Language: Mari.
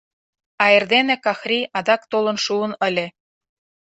А эрдене Кӓхри адак толын шуын ыле.